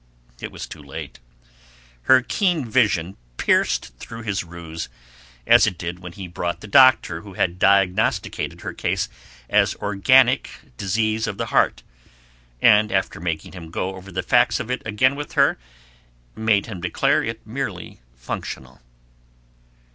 It was too late. Her keen vision pierced through his ruse, as it did when he brought the doctor who had diagnosticated her case as organic disease of the heart, and, after making him go over the facts of it again with her, made him declare it merely functional.